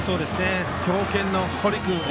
強肩の堀君